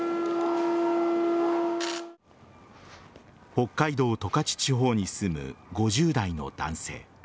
北海道十勝地方に住む５０代の男性。